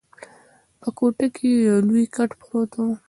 په کوټه کي یو لوی کټ پروت وو.